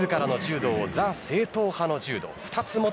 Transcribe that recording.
自らの柔道をザ・正統派の柔道。